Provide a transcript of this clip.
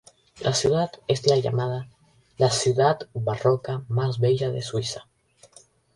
La ciudad es llamada "la Ciudad Barroca más bella de Suiza".